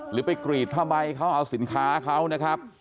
หรือไปกรีดผ้าใบเขาเอาสินค้าเขานะครับ